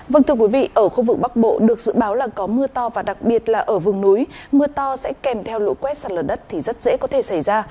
vâng thưa quý vị ở khu vực bắc bộ được dự báo là có mưa to và đặc biệt là ở vùng núi mưa to sẽ kèm theo lũ quét sạt lở đất thì rất dễ có thể xảy ra